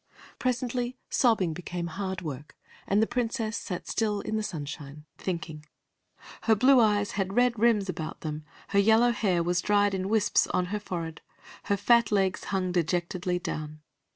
Presently sobbing became hard work, and the Princess sat still in the sunshine, thinking. Her blue eyes had red rims about them, her yellow hair was dried in wisps on her forehead, her fat legs hung dejectedly down.